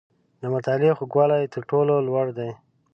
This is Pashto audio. • د مطالعې خوږوالی، تر ټولو لوړ دی.